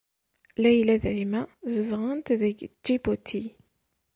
Layla d Rima zedɣent deg Ǧibuti.